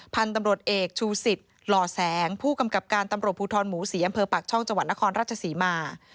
พันธุ์ตำรวจเอกชูสิทธิ์หล่อแสงผู้กำกับการตำรวจภูทรหมูศรีอำเภอปากช่องจังหวัดนครราชศรีมา